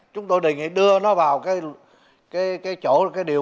chúng tôi đề nghị đưa nó vào cái chỗ là điều một mươi bốn